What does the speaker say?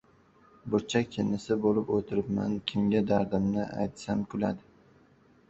Burchak jinnisi bo‘lib o‘tiribman. Kimga dardimni aytsam kuladi.